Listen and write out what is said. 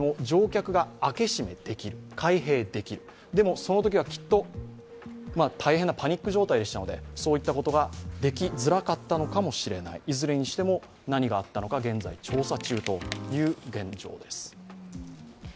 そのときは大変なパニック状態ですのでそういったことができづらかったのかもしれない、いずれにしても何があったのか、現在調査中という現状です。